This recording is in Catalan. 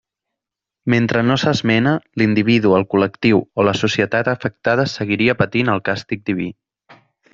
Mentre no s'esmena, l'individu, el col·lectiu o la societat afectada seguiria patint el càstig diví.